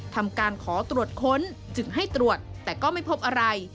ทำการขอตรวจค้นจึงให้ตรวจแต่ก็ไม่พบอะไร